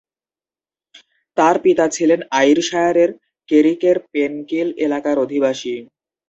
তাঁর পিতা ছিলেন আইরশায়ারের কেরিকের পেনকিল এলাকার অধিবাসী।